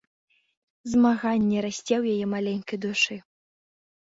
Змаганне расце ў яе маленькай душы.